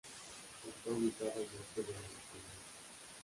Está ubicada al norte de la localidad.